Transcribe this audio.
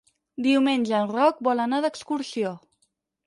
Diumenge en Roc vol anar d'excursió.